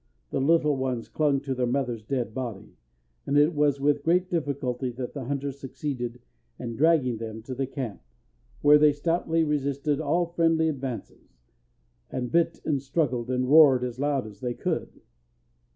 The little ones clung to their mother's dead body, and it was with great difficulty that the hunters succeeded in dragging them to the camp, where they stoutly resisted all friendly advances, and bit and struggled, and roared as loud as they could.